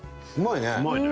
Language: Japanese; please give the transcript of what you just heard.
うまいね。